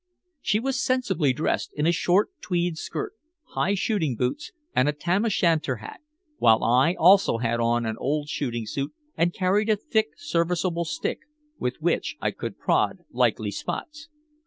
She was sensibly dressed in a short tweed skirt, high shooting boots and a tam o' shanter hat, while I also had on an old shooting suit and carried a thick serviceable stick with which I could prod likely spots.